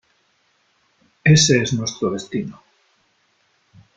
Ése es nuestro destino